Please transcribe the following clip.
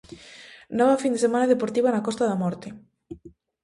Nova fin de semana deportiva na Costa da Morte.